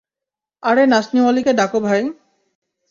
আরে নাচনি-ওয়ালীকে ডাকো ভাই।